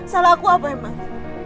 salah aku apa emang